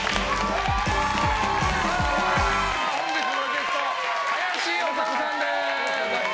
本日のゲスト、林修さんです。